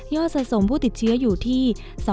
สะสมผู้ติดเชื้ออยู่ที่